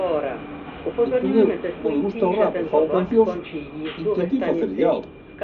Entón eu, como me gusta o rap e fago cancións, intentei facerlle algo.